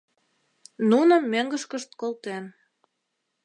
Нуным мӧҥгышкышт колтен.